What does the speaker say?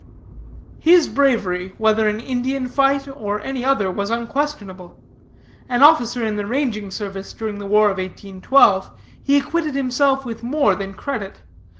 "'His bravery, whether in Indian fight or any other, was unquestionable. An officer in the ranging service during the war of 1812, he acquitted himself with more than credit.